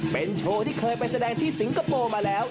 เป็นโชว์ที่เคยไปแสดงที่สิงคโปร์มาแล้ว